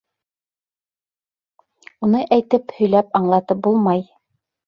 Уны әйтеп, һөйләп аңлатып булмай!